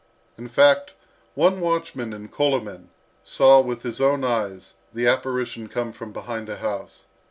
In fact, one watchman in Kolomen saw with his own eyes the apparition come from behind a house.